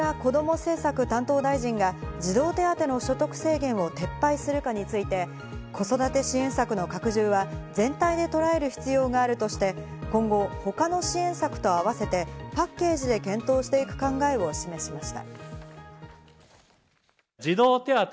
政策担当大臣が児童手当の所得制限を撤廃するかについて、子育て支援策の拡充は全体でとらえる必要があるとして、今後、他の支援策と合わせてパッケージで検討していく考えを示しました。